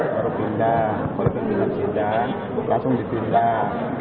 lalu pindah langsung dipindah